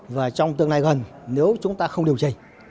và trong tương lai gần nếu chúng ta không điều chỉnh